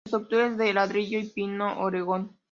Su estructura es de ladrillo y pino oregón.